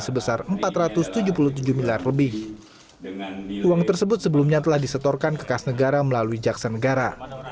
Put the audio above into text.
sebesar empat ratus tujuh puluh tujuh miliar lebih uang tersebut sebelumnya telah disetorkan kekas negara melalui jaksa negara